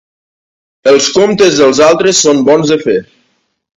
Els comptes dels altres són bons de fer.